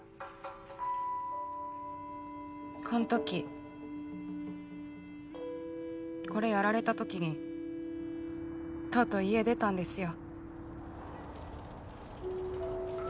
こんときこれやられたときにとうとう家出たんですよ。